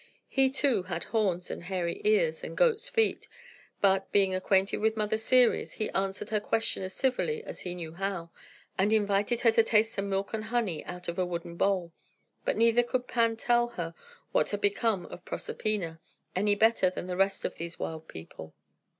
He, too, had horns, and hairy ears, and goat's feet; but, being acquainted with Mother Ceres, he answered her question as civilly as he knew how, and invited her to taste some milk and honey out of a wooden bowl. But neither could Pan tell her what had become of Proserpina, any better than the rest of these wild people.